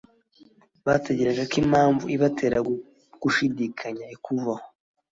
bategereje ko impamvu ibatera gushidikanya ikumvaho,